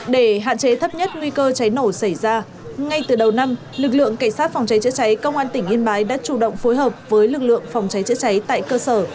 để hạn chế thấp nhất nguy cơ cháy nổ xảy ra ngay từ đầu năm lực lượng cảnh sát phòng cháy chữa cháy công an tỉnh yên bái đã chủ động phối hợp với lực lượng phòng cháy chữa cháy tại cơ sở